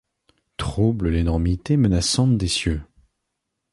Troublent l’énormité menaçante des cieux.